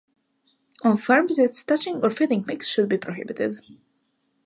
On farm visits, touching or feeding pigs should be prohibited.